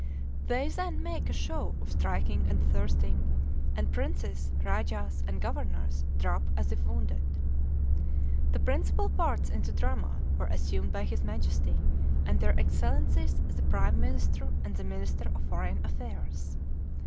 They then make a show of striking and thrusting, and princes, rajahs, and governors drop as if wounded. The principal parts in the drama were assumed by his Majesty, and their excellencies the Prime Minister and the Minister of Foreign Affairs.